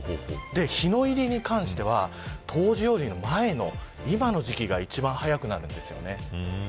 日の入りに関しては冬至よりも前の今の時期が一番早くなるんです。